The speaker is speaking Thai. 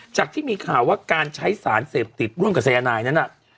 ที่มีข่าวว่าการใช้สารเสพติดร่วมกับสายนายนั้นน่ะ